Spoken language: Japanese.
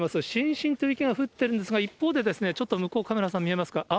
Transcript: しんしんと雪が降っているんですが、一方でちょっと向こう、カメラさん、見えますか。